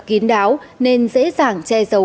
kín đáo nên dễ dàng che dấu